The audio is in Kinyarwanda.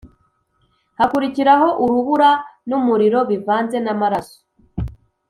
Hakurikiraho urubura n’umuriro bivanze n’amaraso,